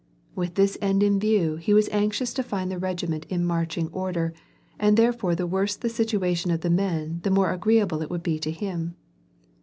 With this end in view h(» was anxious to find the regiment in marching order, and there fore the worse the situation of the men the more agreeable it would be to him.